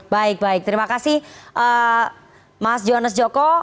baik baik terima kasih mas johannes joko